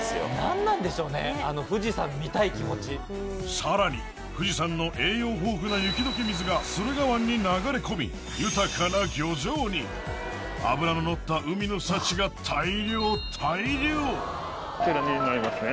さらに富士山の栄養豊富な雪解け水が駿河湾に流れ込み脂ののった海の幸が大漁大漁こちらになりますね。